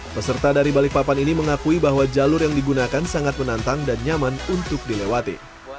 peserta dari balikpapan ini mengakui bahwa jalur yang digunakan sangat menantang dan nyaman untuk dilewati